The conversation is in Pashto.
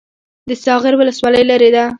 د ساغر ولسوالۍ لیرې ده